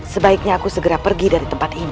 sebaiknya aku segera pergi dari tempat ini